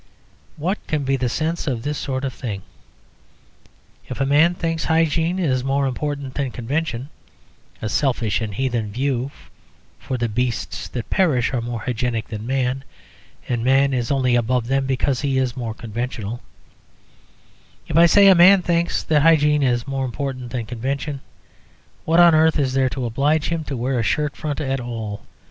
What can be the sense of this sort of thing? If a man thinks hygiene more important than convention (a selfish and heathen view, for the beasts that perish are more hygienic than man, and man is only above them because he is more conventional), if, I say, a man thinks that hygiene is more important than convention, what on earth is there to oblige him to wear a shirt front at all?